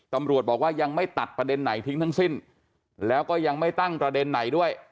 ตำรวจบอกว่ายังไม่ตัดประเด็นไหนทิ้งทั้งสิ้นแล้วก็ยังไม่ตั้งประเด็นไหนด้วย